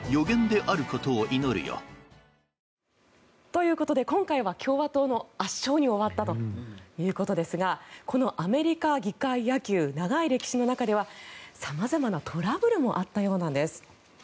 ということで今回は共和党の圧勝に終わったということですがこのアメリカ議会野球長い歴史の中では様々なトラブルもあったようなんです。